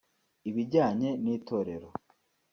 Ibijyanye n’itorero